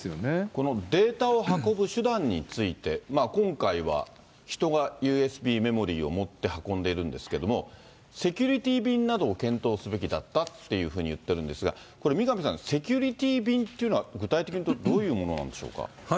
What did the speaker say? このデータを運ぶ手段について、今回は人がＵＳＢメモリを持って運んでるんですけれども、セキュリティー便などを検討すべきだったというふうに言ってるんですが、これ、三上さん、セキュリティー便というのは具体的にどういうものなんでしょうか。